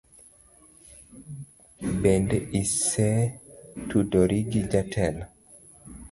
Bende isetudori gi jatelo?